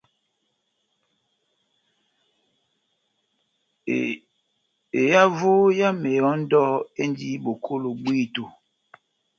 Ehavo ya mehɔ́ndɔ endi bokolo bwíto.